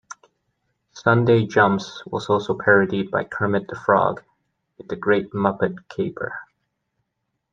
"Sunday Jumps" was also parodied by Kermit the Frog in "The Great Muppet Caper".